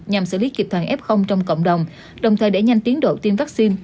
nhằm xử lý kịp thời f trong cộng đồng đồng thời để nhanh tiến độ tiêm vaccine